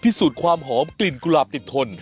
พิสูจน์ความหอมกลิ่นกุหลาบติดทน